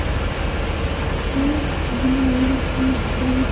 আমরা তাহলে নতুন করে কী করছি?